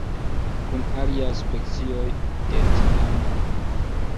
Kun aliaj specioj de tinamoj.